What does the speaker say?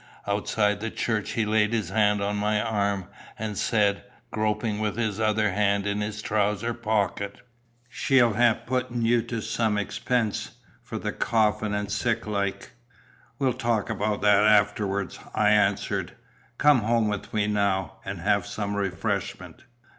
Outside the church, he laid his hand on my arm, and said, groping with his other hand in his trousers pocket "She'll hae putten ye to some expense for the coffin an' sic like." "We'll talk about that afterwards," I answered. "Come home with me now, and have some refreshment."